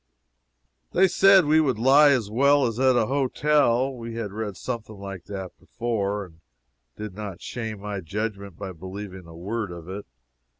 They said we would lie as well as at a hotel. I had read something like that before, and did not shame my judgment by believing a word of it.